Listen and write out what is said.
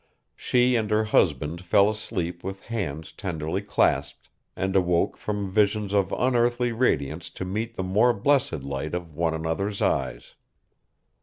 She and her husband fell asleep with hands tenderly clasped, and awoke from visions of unearthly radiance to meet the more blessed light of one another's eyes.